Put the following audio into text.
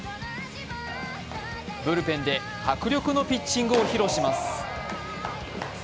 ブルペンで迫力のピッチングを披露します。